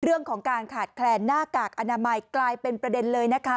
เรื่องของการขาดแคลนหน้ากากอนามัยกลายเป็นประเด็นเลยนะคะ